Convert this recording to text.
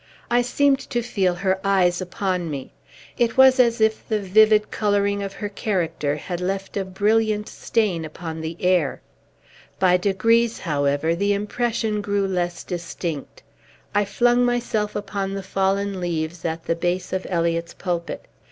I seemed to feel her eyes upon me. It was as if the vivid coloring of her character had left a brilliant stain upon the air. By degrees, however, the impression grew less distinct. I flung myself upon the fallen leaves at the base of Eliot's pulpit.